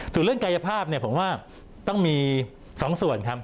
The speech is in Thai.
ส่วนเรื่องกายภาพเนี่ยผมว่าต้องมี๒ส่วนครับ